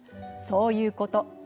そういうこと。